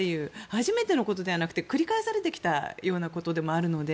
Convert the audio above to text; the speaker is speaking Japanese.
初めてのことではなく繰り返されてきたようなことでもあるので。